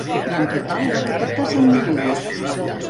I en total, va recaptar set milions.